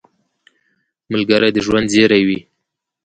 ملګری د ژوند زېری وي